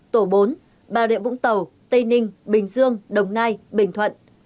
tổ bốn bà rịa vũng tàu tây ninh bình dương đồng nai bình thuận